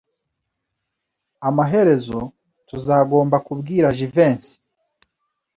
Amaherezo tuzagomba kubwira Jivency.